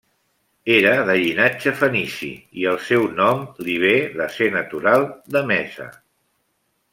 Era de llinatge fenici, i el seu nom li ve de ser natural d'Emesa.